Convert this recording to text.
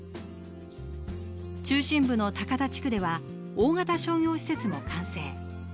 中心部の高田地区では大型商業施設も完成。